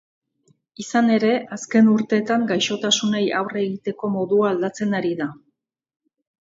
Izan ere, azken urteetan gaixotasunei aurre egiteko modua aldatzen ari da.